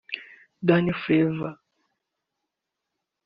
Dan flevor